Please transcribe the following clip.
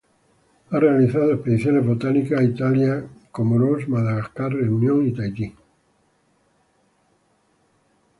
Ha realizado expediciones botánicas a Italia, Comoros, Madagascar, Reunión y a Tahití.